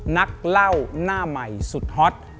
นักเล่าหน้าใหม่สุดฮอต